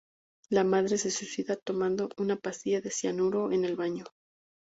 La madre se suicida tomando una pastilla de cianuro en el baño.